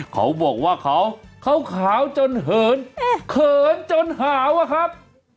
เขาบอกว่าเขาขาวจนเหินเขินจนหาวอะครับ